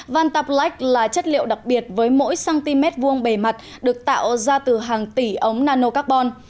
vantablack là chất liệu đặc biệt với mỗi cm hai bề mặt được tạo ra từ hàng tỷ ống nanocarbon